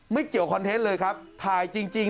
ไม่เกี่ยวคอนเทนต์เลยครับถ่ายจริง